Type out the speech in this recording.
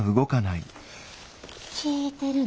聞いてるの？